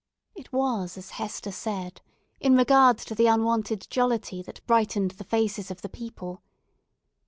It was as Hester said, in regard to the unwonted jollity that brightened the faces of the people.